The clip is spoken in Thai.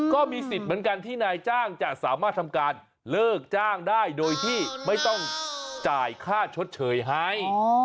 ก็มีสิทธิ์เหมือนกันที่นายจ้างจะสามารถทำการเลิกจ้างได้โดยที่ไม่ต้องจ่ายค่าชดเฉยให้